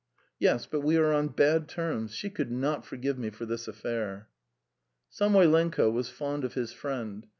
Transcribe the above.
"Yes, but we are on bad terms. She could not forgive me for this affair." Samoylenko was fond of his friend.